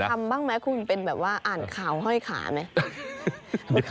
เราทำบ้างมั้ยคุณเหมือนเป็นแบบว่าอ่านข่าวห้อยขาไหม